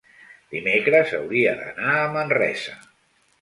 dimecres hauria d'anar a Manresa.